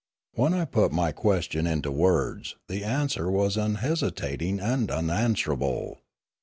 When I put my question into words, the answer was unhesitating and unanswerable.